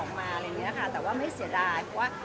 แต่ว่าไม่เสียดายว่า